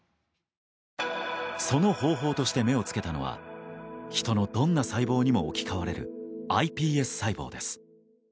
その方法として目を付けたのはヒトのどんな細胞にも置き換われるｉＰＳ細胞です。